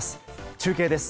中継です。